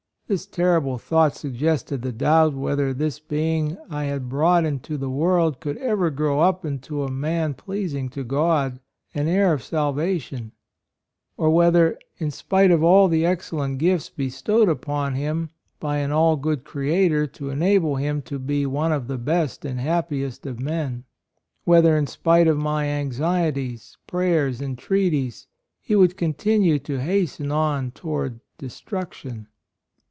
This terrible thought suggested the doubt whether this being I had brought into the world could ever grow up into a man pleasing to God, an heir of salvation; or whether, in spite of all the excellent gifts bestowed upon him by an all AND MOTHER. 27 good Creator to enable him to be one of the best and happiest of men ; whether in spite of my anxieties, prayers, entreaties, he would continue to hasten on toward destruction.